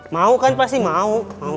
mau kan pasti mau